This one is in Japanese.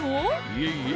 いえいえ